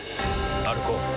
歩こう。